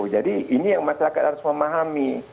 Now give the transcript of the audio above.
jadi ini yang masyarakat harus memahami